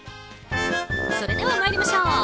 それでは参りましょう。